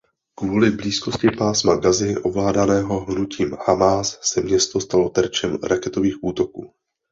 Kvůli blízkosti pásma Gazy ovládaného hnutím Hamás se město stalo terčem raketových útoků.